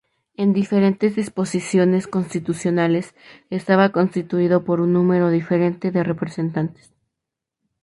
En diferentes disposiciones constitucionales, estaba constituido por un número diferente de representantes.